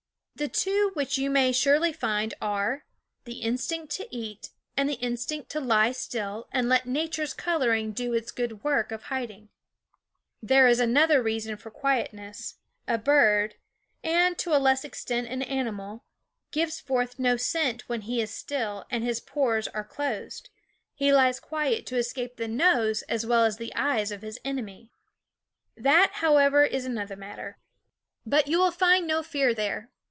The two which you may surely find are: the instinct to eat, and the instinct to lie still and let nature's coloring do its good work of hiding. (There is another reason for THE WOODS quietness: a bird and, to a less extent, an animal gives forth no scent when he is still and his pores are closed. He lies quiet to ~*>^ r ,.,,. SReG/adsome escape the nose as well as the eyes ot his enemy. That, however, is another matter.) But you will find no fear there.